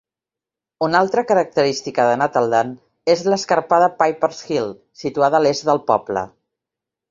Una altra característica de Nettleden és l'escarpada Pipers Hill situada a l'est del poble.